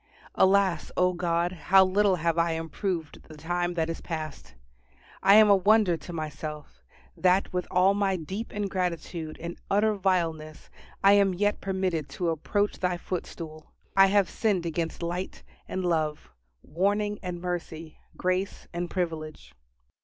Alas! O God, how little have I improved the time that is past! I am a wonder to myself, that with all my deep ingratitude and utter vileness I am yet permitted to approach Thy footstool: I have sinned against light and love warning and mercy grace and privilege.